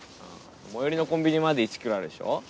最寄りのコンビニまで１ｋｍあるでしょ。